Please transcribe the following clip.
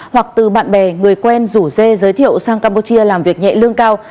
hoặc từ bạn bè người quen rủ dê giới thiệu sang campuchia làm việc nhẹ lương cao